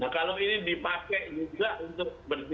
nah kalau ini dipakai juga untuk